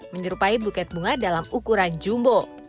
menyerupai buket bunga dalam ukuran jumbo